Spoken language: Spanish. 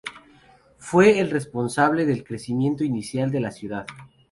Fue el responsable del crecimiento inicial de la ciudad.